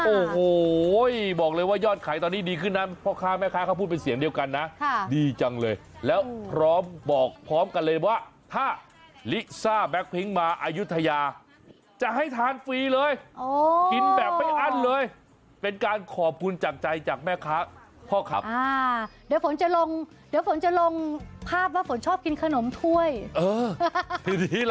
โอ้โหบอกเลยว่ายอดขายตอนนี้ดีขึ้นนะพ่อค้าแม่ค้าเขาพูดเป็นเสียงเดียวกันนะดีจังเลยแล้วพร้อมบอกพร้อมกันเลยว่าถ้าลิซ่าแก๊กพิ้งมาอายุทยาจะให้ทานฟรีเลยกินแบบไม่อั้นเลยเป็นการขอบคุณจากใจจากแม่ค้าพ่อขับอ่าเดี๋ยวฝนจะลงเดี๋ยวฝนจะลงภาพว่าฝนชอบกินขนมถ้วยเออทีนี้